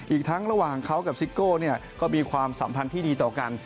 อีกทั้งระหว่างเขากับซิโก้ก็มีความสัมพันธ์ที่ดีต่อกัน